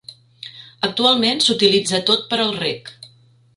Actualment s'utilitza tot per al reg.